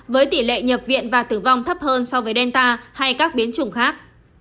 với tỷ lệ nhập viện và tử vong thấp hơn so với delta hay các biến chủng khác